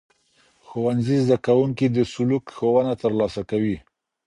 ښوونځي زدهکوونکي د سلوک ښوونه ترلاسه کوي.